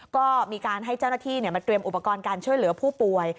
ก็มีการให้เจ้าหน้าที่มาเตรียมอุปกรณ์การช่วยเหลือผู้ป่วย